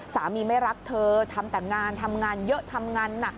สามีไม่รักเธอทำแต่งานทำงานเยอะทำงานหนัก